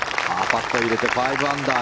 パットを入れて５アンダー。